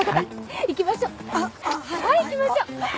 はい行きましょう！